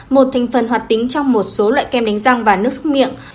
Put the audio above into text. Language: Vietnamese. một thành phần hoạt tính trong một số loại kem đánh răng và nước xúc miệng